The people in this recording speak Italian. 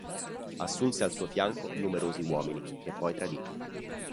Assunse al suo fianco numerosi uomini, che poi tradì.